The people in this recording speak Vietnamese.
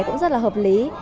cũng rất là hợp lý